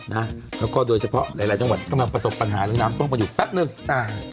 แล้วก็โดยเฉพาะหลายจังหวัดที่กำลังประสบปัญหาเรื่องน้ำต้องมาอยู่แป๊บนึง